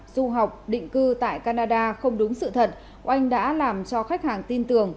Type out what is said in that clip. du học định cư tại canada không đúng sự thật oanh đã làm cho khách hàng tin tưởng